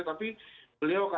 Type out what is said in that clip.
tapi beliau kadang lebih